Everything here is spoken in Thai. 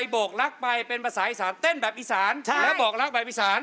บอกรักเป็นภาษาอีสานนะครับอีสาน